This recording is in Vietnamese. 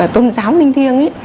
tôn giáo minh thiêng